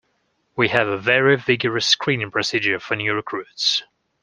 We have a very vigorous screening procedure for new recruits.